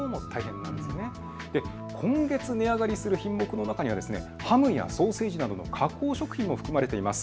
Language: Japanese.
今月値上がりする品目の中にはハムやソーセージなどの加工食品も含まれています。